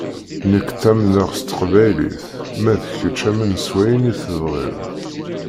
Nekk ttamneɣ s teqbaylit, ma d kečč amen s wayen i tebɣiḍ.